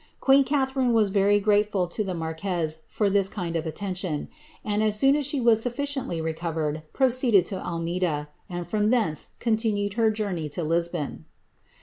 Queen Catharine IS very grateful to the marquez for this kind attention ; and as soon she was sufficiently recovered, proceeded to Almeida, and fron\ thence n tinned her journey to Lisbon.